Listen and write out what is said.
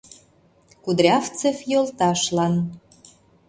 КУДРЯВЦЕВ ЙОЛТАШЛАН